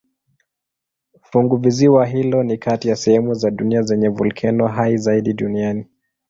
Funguvisiwa hilo ni kati ya sehemu za dunia zenye volkeno hai zaidi duniani.